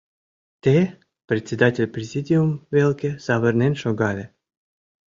— Те?! — председатель президиум велке савырнен шогале.